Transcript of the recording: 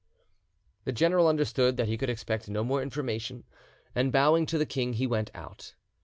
The general understood that he could expect no more information, and, bowing to the king, he went out.